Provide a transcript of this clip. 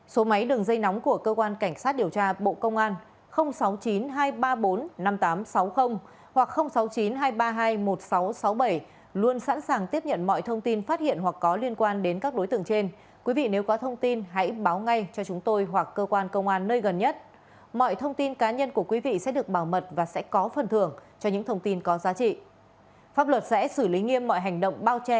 số máy đường dây nóng của cơ quan cảnh sát điều tra bộ công an sáu mươi chín hai trăm ba mươi bốn năm nghìn tám trăm sáu mươi hoặc sáu mươi chín hai trăm ba mươi hai một nghìn sáu trăm sáu mươi bảy